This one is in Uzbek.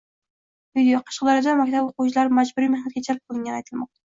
Video: Qashqadaryoda maktab o‘qituvchilari majburiy mehnatga jalb qilingani aytilmoqda